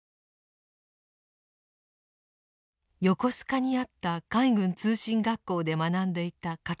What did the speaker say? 横須賀にあった海軍通信学校で学んでいた勝又さん。